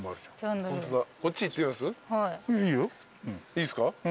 いいっすか？